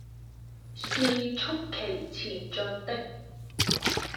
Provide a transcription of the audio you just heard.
是促其前進的，